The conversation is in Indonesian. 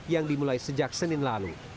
yang dimulai sejak senin lalu